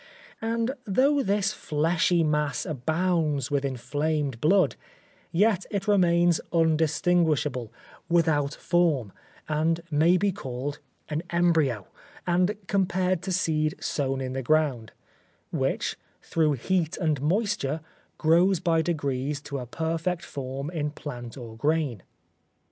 And though this fleshy mass abounds with inflamed blood, yet it remains undistinguishable, without form, and may be called an embryo, and compared to seed sown in the ground, which, through heat and moisture, grows by degrees to a perfect form in plant or grain.